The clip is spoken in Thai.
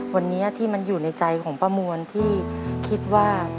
วันนี้ที่มันอยู่ในใจของป้ามวลที่คิดว่า